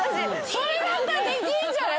それだったらできるんじゃない？